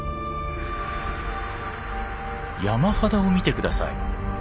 山肌を見てください。